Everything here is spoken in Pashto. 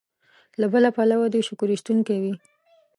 له بل پلوه دې شکر ایستونکی وي.